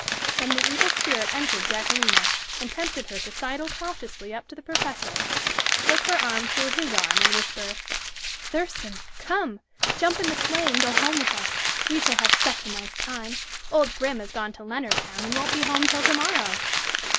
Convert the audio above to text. Then the evil spirit entered Jacquelina, and tempted her to sidle cautiously up to the professor, slip her arm through his arm, and whisper: "Thurston! Come! Jump in the sleigh and go home with us. We shall have such a nice time! Old Grim has gone to Leonardtown, and won't be home till to morrow!"